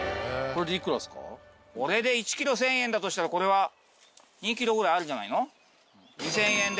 これで１キロ１０００円だとしたらこれは２キロぐらいあるんじゃないの？